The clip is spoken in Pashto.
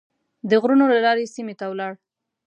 د غرونو له لارې سیمې ته ولاړ.